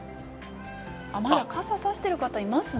まだ傘差してる方、いますね。